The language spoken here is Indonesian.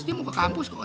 dia mau ke kampus kok